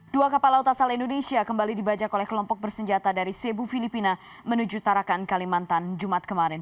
dua kapal laut asal indonesia kembali dibajak oleh kelompok bersenjata dari sebu filipina menuju tarakan kalimantan jumat kemarin